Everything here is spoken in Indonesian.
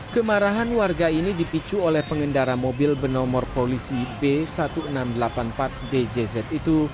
kemarahan warga ini dipicu oleh pengendara mobil bernomor polisi b seribu enam ratus delapan puluh empat bjz itu